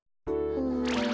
うん。